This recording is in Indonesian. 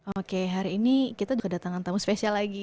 oke hari ini kita juga datangkan tamu spesial lagi